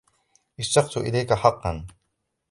اشتقت إليك حقا